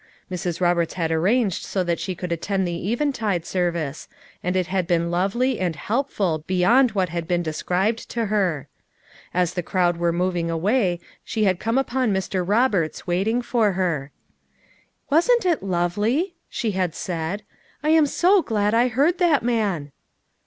Mrs. Roberts had arranged so that she could attend the eventide FOUE MOTHERS AT CHAUTAUQUA 339 service, and it had been lovely and helpful be yond what had been described to her. As the crowd were moving away she had come upon Mr. Eoberts waiting for her. "Wasn't it lovely?" she had said. "I am so glad I heard that man!"